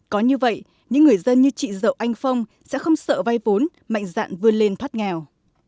có như vậy những người dân như chị dậu anh phong sẽ không sợ vay vốn mạnh dạn vươn lên thoát nghèo